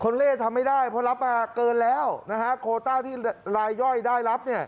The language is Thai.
เพราะรับมาเกินแล้วนะฮะโคต้าที่ลายย่อยได้รับ